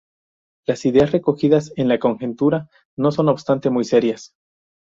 Las ideas recogidas en la conjetura son, no obstante, muy serias.